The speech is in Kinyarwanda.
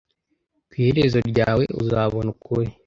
ku iherezo ryawe uzabona ukuri